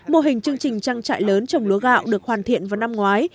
mô hình chương trình trang trại lớn trồng lúa gạo được hoàn thiện vào năm ngoái